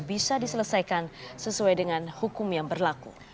bisa diselesaikan sesuai dengan hukum yang berlaku